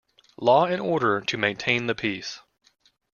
Law and order to maintain the peace.